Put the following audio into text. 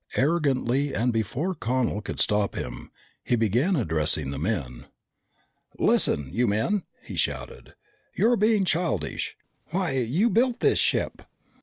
Arrogantly and before Connel could stop him, he began addressing the men. "Listen, you men!" he shouted. "You're being childish! Why, you built this ship!